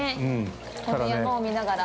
◆この山を見ながら。